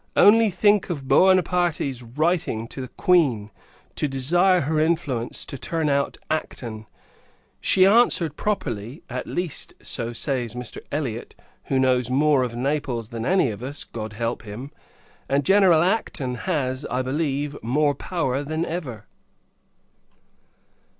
Only think of Buonaparte's writing to the Queen, to desire her influence to turn out Acton! She answered, properly: at least, so says Mr. Elliot, who knows more of Naples than any of us; God help him! and General Acton has, I believe, more power than ever.